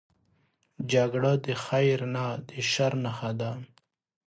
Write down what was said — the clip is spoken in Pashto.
جګړه د خیر نه، د شر نښه ده